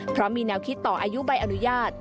เพราะมีแนวคิดต่ออายุใบอนุญาต